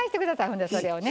ほんでそれをね。